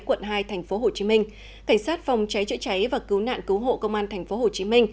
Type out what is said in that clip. quận hai tp hcm cảnh sát phòng cháy chữa cháy và cứu nạn cứu hộ công an tp hcm